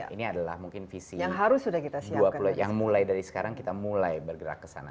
ini adalah mungkin visi yang mulai dari sekarang kita mulai bergerak ke sana